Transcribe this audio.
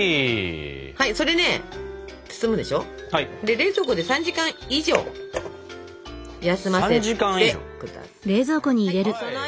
冷蔵庫で３時間以上休ませて下さい。